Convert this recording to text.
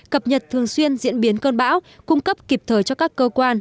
cập nhật thường xuyên diễn biến cơn bão cung cấp kịp thời cho các cơ quan